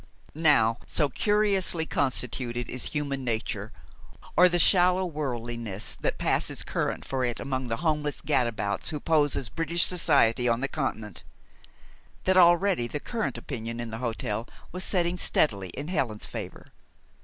Now, so curiously constituted is human nature, or the shallow worldliness that passes current for it among the homeless gadabouts who pose as British society on the Continent, that already the current of opinion in the hotel was setting steadily in Helen's favor.